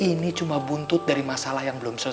ini cuma buntut dari masalah yang belum selesai